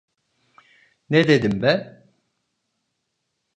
Ne dedim ben?